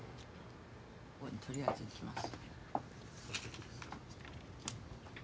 とりあえずいきます。